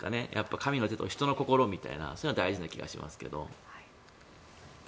神の心と人の手みたいなそういうのは大事なような気がしますけど。